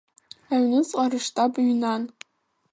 Аҩныҵҟа рыштаб ҩнан.